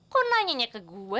kok nanyanya ke gue